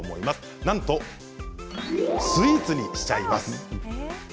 なんとスイーツにしちゃいます。